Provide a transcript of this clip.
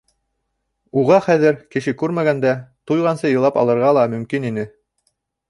Уға хәҙер, кеше күрмәгәндә, туйғансы илап алырға ла мөмкин ине.